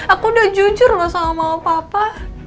aku udah jujur loh sama mama papa